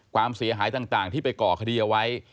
ความเสียหายต่างที่ไปก่อคดีเอาไว้